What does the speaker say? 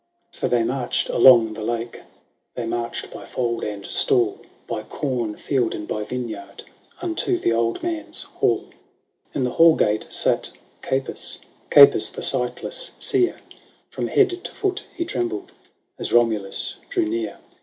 So they marched along the lake ; They inarched by fold and stall. By corn field and by vineyard. Unto the old man's hall. XI. In the hall gate sate Capys, Capys, the sightless seer ; From head to foot he trembled As Romulus drew near.